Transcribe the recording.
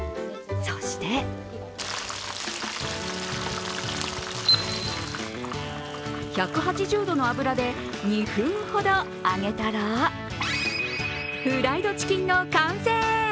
そして１８０度の油で２分ほど揚げたらフライドチキンの完成。